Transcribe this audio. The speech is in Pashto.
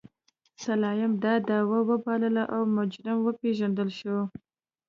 سلایم دا دعوه وبایلله او مجرم وپېژندل شو.